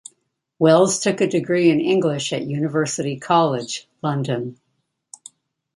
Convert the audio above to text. Wells took a degree in English at University College, London.